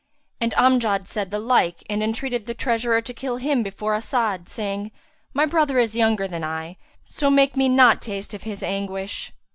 And Amjad said the like and entreated the treasurer to kill him before As'ad, saying, "My brother is younger than I; so make me not taste of his anguish.